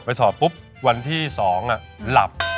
ไปสอบปุ๊บวันที่สองอะหลับ